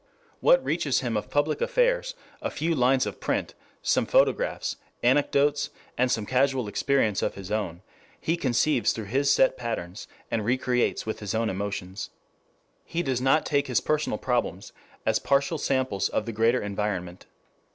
What reaches him of public affairs, a few lines of print, some photographs, anecdotes, and some casual experience of his own, he conceives through his set patterns and recreates with his own emotions. He does not take his personal problems as partial samples of the greater environment.